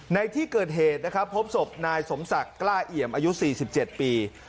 ในที่เกิดเหตุนะครับพบศพนายสมศักดิ์กล้าเอี่ยมอายุ๔๗ปี